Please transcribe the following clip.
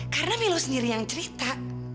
karena milo sendiri yang cerita